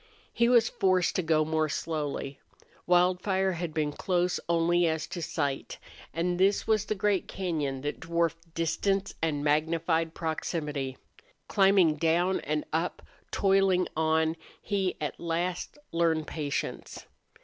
He was forced to go more slowly. Wildfire had been close only as to sight. And this was the great cañon that dwarfed distance and magnified proximity. Climbing down and up, toiling on, he at last learned patience.